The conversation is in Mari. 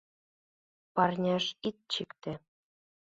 Парняш ит чикте